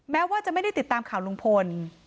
แม้ว่าจะไม่ได้ติดตามข่าวลุงพล